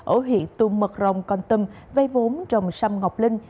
ở huyện tù mật rồng con tâm vây vốn trồng xăm ngọc linh